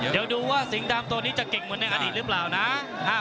เดี๋ยวดูว่าสิงห์ดำตัวนี้จะเก่งเหมือนในอดีตหรือเปล่านะ